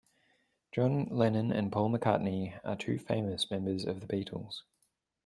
John Lennon and Paul McCartney are two famous members of the Beatles.